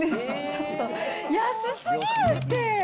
ちょっと、安すぎるって。